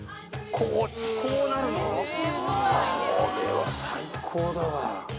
これは最高だ。